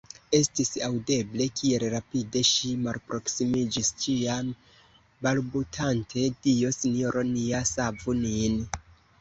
Estis aŭdeble, kiel rapide ŝi malproksimiĝis, ĉiam balbutante: Dio Sinjoro nia, savu nin!